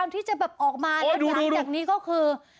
ที่จะแบบออกมาแล้วหลังจากนี้ก็คือ